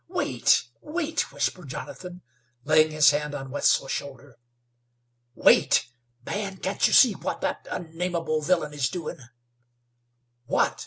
Wait! Wait!" whispered Jonathan, laying his hand on Wetzel's shoulder. "Wait? Man, can't you see what the unnamable villain is doin'?" "What?"